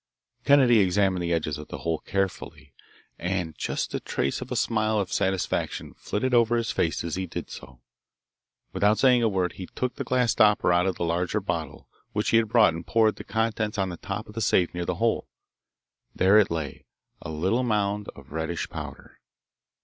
Kennedy examined the edges of the hole carefully, and just the trace of a smile of satisfaction flitted over his face as he did so. Without saying a word he took the glass stopper out of the larger bottle which he had brought and poured the contents on the top of the safe near the hole. There it lay, a little mound of reddish powder.